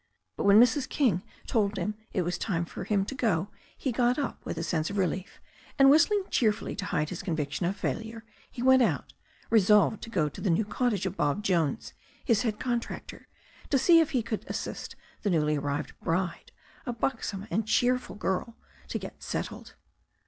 But when Mrs. King told him it was time for him to go he got up with a sense of relief, and whistling cheerfully to hide his conviction of failure, he went out, resolved to go to the new cottage of Bob Jones, his head contractor, to see if he could assist the newly arrived bride, a buxom and cheer ful girl, to get settled.